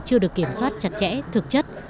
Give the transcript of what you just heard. chưa được kiểm soát chặt chẽ thực chất